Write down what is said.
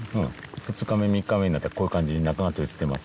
２日目３日目になったらこういう感じに中が閉じてます